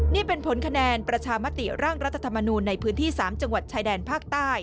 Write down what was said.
นี่เป็นผลคะแนนประชามติร่างรัฐธรรมนูลในพื้นที่๓จังหวัดชายแดนภาคใต้